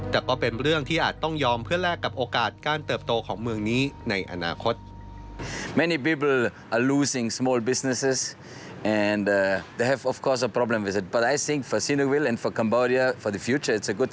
แต่ก็เป็นเรื่องที่อาจต้องยอมเพื่อแลกกับโอกาสการเติบโตของเมืองนี้ในอนาคต